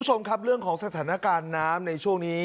คุณผู้ชมครับเรื่องของสถานการณ์น้ำในช่วงนี้